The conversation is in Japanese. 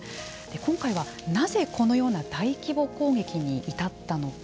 今回はなぜこのような大規模攻撃に至ったのか。